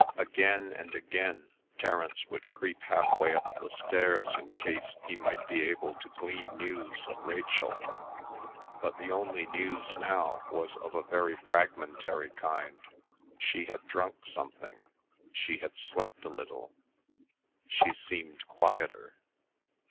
Again and again Terence would creep half way up the stairs in case he might be able to glean news of Rachel. But the only news now was of a very fragmentary kind; she had drunk something; she had slept a little; she seemed quieter.